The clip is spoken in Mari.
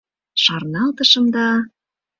Шарналтышым да...